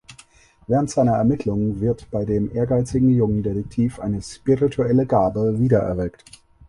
Während seiner Ermittlungen wird bei dem ehrgeizigen jungen Detektiv eine spirituelle Gabe wiedererweckt.